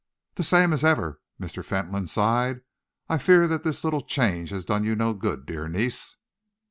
"The same as ever," Mr. Fentolin sighed. "I fear that this little change has done you no good, dear niece."